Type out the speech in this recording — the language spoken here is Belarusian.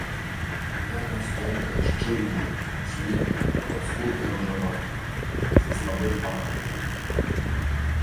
Мякаць тонкая, шчыльная, светлая, пад скуркай ружаватая, са слабым пахам герані.